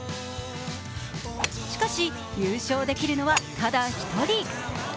しかし、優勝できるのはただ１人。